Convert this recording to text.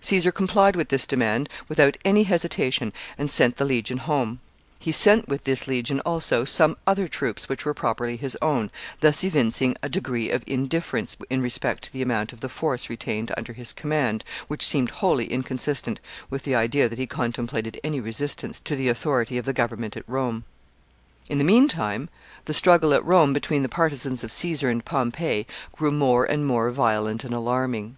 Caesar complied with this demand without any hesitation, and sent the legion home. He sent with this legion, also, some other troops which were properly his own, thus evincing a degree of indifference in respect to the amount of the force retained under his command which seemed wholly inconsistent with the idea that he contemplated any resistance to the authority of the government at Rome. [Sidenote: Caesar demands to be made consul.] [Sidenote: Excitement in consequence.] In the mean time, the struggle at Rome between the partisans of Caesar and Pompey grew more and more violent and alarming.